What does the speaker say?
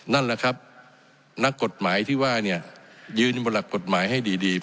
นั่นแหละครับนักกฎหมายที่ว่าเนี่ยยืนอยู่บนหลักกฎหมายให้ดี